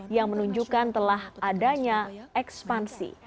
yang menunjukkan telah adanya ekspansi